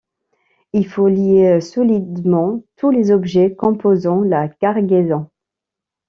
Il faut lier solidement tout les objets composant la cargaison.